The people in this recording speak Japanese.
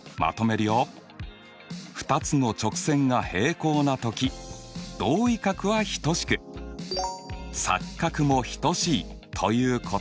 ２つの直線が平行な時同位角は等しく錯角も等しいということだね。